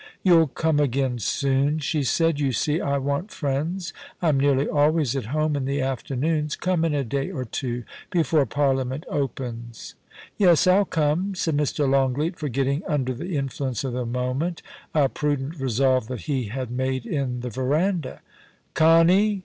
* You'll come again soon,' she said. * You see I want friends ; I'm nearly always at home in the afternoons. Come in a day or two — before Parliament opens.' * Yes, I'll come,' said Mr. Longleat, forgetting, under the influence of the moment, a prudent resolve that he had made in the verandah. * Connie